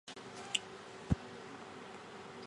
买了串烧和鲷鱼烧